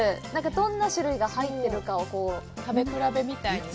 どんな種類が入ってるかを食べ比べみたいにね。